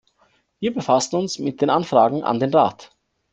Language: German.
Wir befassen uns mit den Anfragen an den Rat.